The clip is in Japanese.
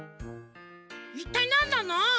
いったいなんなの？